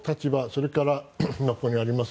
それから今、ここにあります